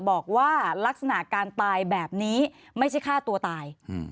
บอกว่าลักษณะการตายแบบนี้ไม่ใช่ฆ่าตัวตาย